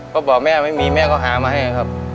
ก็บอกแม่ไม่มีแม่ก็หามาให้ครับ